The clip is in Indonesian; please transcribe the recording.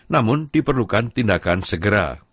namun diperlukan tindakan segera